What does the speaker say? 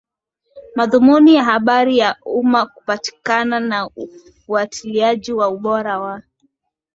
madhumuni ya habari ya ummaKupatikana kwa ufuatiliaji wa ubora wa